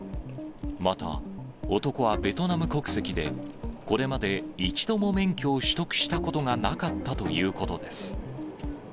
また、男はベトナム国籍で、これまで一度も免許を取得したことがなかったということです。